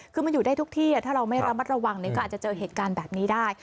คือมันอยู่ได้ทุกที่ถ้าเราไม่ระมัดระวังก็อาจจะเจอเหตุการณ์แบบนี้ได้